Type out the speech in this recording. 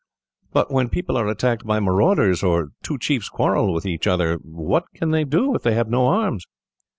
"But, when people are attacked by marauders, or two chiefs quarrel with each other, what can they do if they have no arms?"